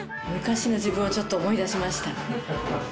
昔の自分をちょっと思い出しました。